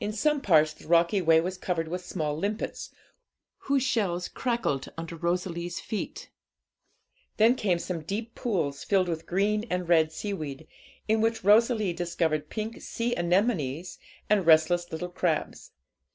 In some parts the rocky way was covered with small limpets, whose shells crackled under Rosalie's feet; then came some deep pools filled with green and red seaweed, in which Rosalie discovered pink sea anemones and restless little crabs.